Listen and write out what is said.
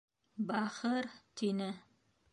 — Бахыр, — тине.